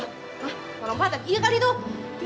lompat lompatan iya kali itu gimana dong